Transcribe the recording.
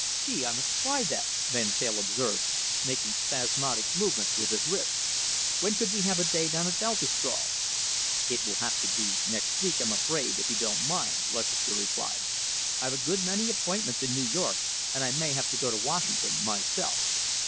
"Gee, I must try that!" Van Teyl observed, making spasmodic movements with his wrists. "When could we have a day down at Baltusrol?" "It will have to be next week, I'm afraid, if you don't mind," Lutchester replied. "I've a good many appointments in New York, and I may have to go to Washington myself.